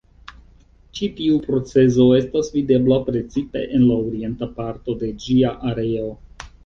Ĉi tiu procezo estas videbla precipe en la orienta parto de ĝia areo.